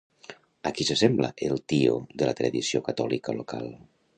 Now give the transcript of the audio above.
A qui s'assembla el Tío de la tradició catòlica local?